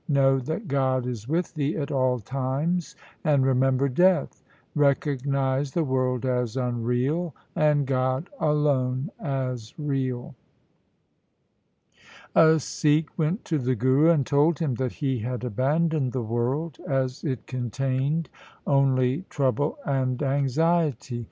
Know that God is with thee at all times and remember death. Recog nize the world as unreal, and God alone as real.' A Sikh went to the Guru and told him that he had abandoned the world, as it contained only trouble and anxiety.